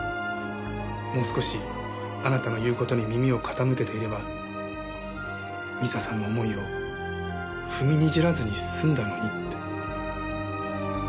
もう少しあなたの言う事に耳を傾けていれば未紗さんの思いを踏みにじらずに済んだのにって。